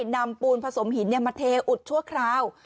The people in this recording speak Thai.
นำปูนผสมหินมาเทอุดชั่วคราว